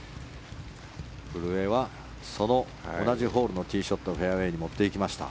古江はその同じホールのティーショットフェアウェーに持っていきました。